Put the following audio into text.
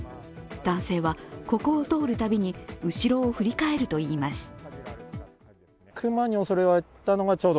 男性はここを通るたびに後ろを振り返るといいます。